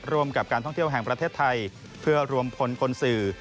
ร่วมกับการท่องเที่ยวแห่งประเทศไทยเพื่อรวมพลคนสื่อ